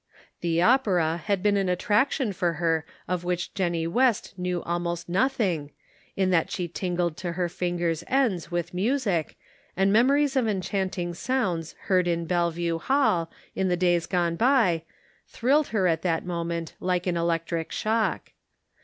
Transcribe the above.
The opera had an attraction for her of which Jennie West knew almost nothing, in that she tingled to her fingers' ends with music, and memories of enchanting sounds heard in Bellevue Hall, in the days gone by, thrilled her at that moment like an electric shock.